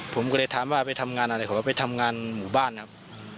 ผมก็เลยถามว่าไปทำงานอะไรเขาก็ไปทำงานหมู่บ้านครับ